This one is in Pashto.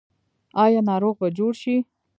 آیا ناروغ به جوړ شي؟